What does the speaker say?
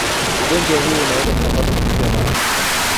ugonjwa huo unaweza kusambazwa kupitia mate